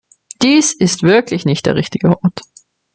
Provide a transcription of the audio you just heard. Dies ist wirklich nicht der richtige Ort.